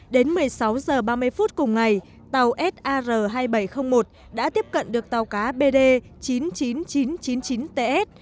đến một mươi sáu h ba mươi phút cùng ngày tàu sar hai nghìn bảy trăm linh một đã tiếp cận được tàu cá bd chín mươi chín nghìn chín trăm chín mươi chín ts